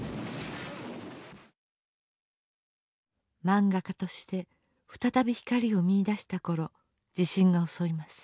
漫画家として再び光を見いだした頃地震が襲います。